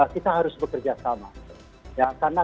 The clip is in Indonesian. kita harus bekerja sama